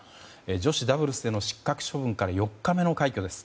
女子ダブルスでの失格処分から４日目の快挙です。